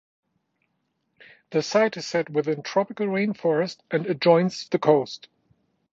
The site is set within tropical rainforest and adjoins the coast.